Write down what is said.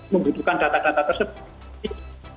membutuhkan data data tersebut